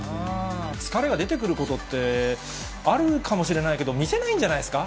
疲れが出てくることってあるかもしれないけど、見せないんじゃないですか。